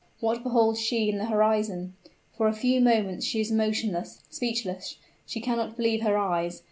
What beholds she in the horizon? For a few moments she is motionless, speechless, she cannot believe her eyes.